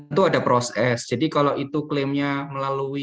itu ada proses jadi kalau itu klaimnya melalui